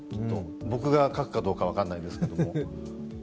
僕が書くかどうか、分からないですけども。